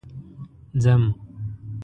ځم